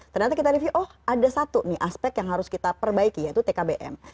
ternyata kita review oh ada satu nih aspek yang harus kita perbaiki yaitu tkbm